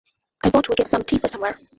I vote we get some tea first somewhere.